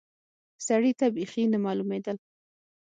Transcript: سړي ته بيخي نه معلومېدل.